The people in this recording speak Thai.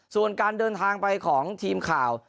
ส่วนการเดินทางไปของทีมข่าว